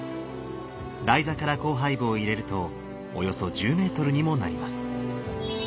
台座から光背部を入れるとおよそ１０メートルにもなります。